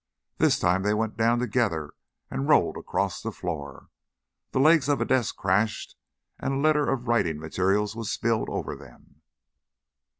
This time they went down together and rolled across the floor. The legs of a desk crashed and a litter of writing materials was spilled over them.